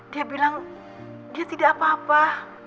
dia bilang dia tidak apa apa